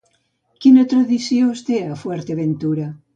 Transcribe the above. Quina tradició es té a Fuerteventura?